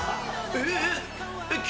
えっ？